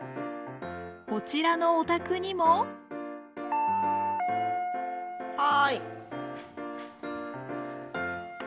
こちらのお宅にも・はい。